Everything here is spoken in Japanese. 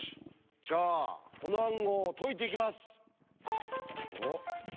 じゃあこの暗号を解いていきます！